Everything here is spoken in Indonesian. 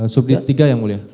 subjek tiga yang boleh